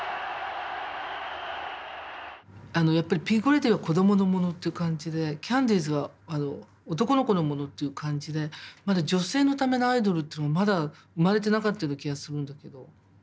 やっぱりピンク・レディーは子供のものっていう感じでキャンディーズは男の子のものっていう感じでまだ女性のためのアイドルっていうのがまだ生まれてなかったような気がするんだけど。